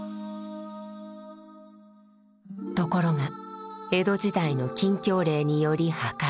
ところが江戸時代の禁教令により破壊。